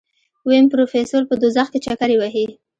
ويم پروفيسر په دوزخ کې چکرې وهي.